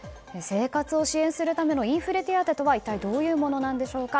生活を支援するためのインフレ手当とは一体どういうものなんでしょうか。